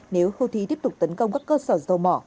nếu houthi tiếp tục tấn công các cơ sở dầu mỏ